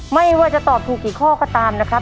ไม่ว่าจะตอบถูกกี่ข้อก็ตามนะครับ